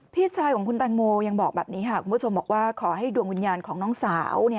พี่ชายของคุณแตงโมยังบอกแบบนี้ค่ะคุณผู้ชมบอกว่าขอให้ดวงวิญญาณของน้องสาว